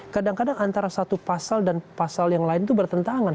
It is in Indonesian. kadang kadang antara satu pasal dan pasal yang lain itu bertentangan